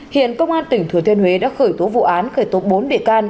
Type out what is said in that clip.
hiện công an tỉnh thừa thiên huế đã khởi tố vụ án khởi tố bốn bị can